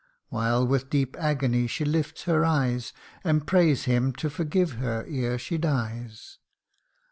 79 While with deep agony she lifts her eyes, And prays him to forgive her, ere she dies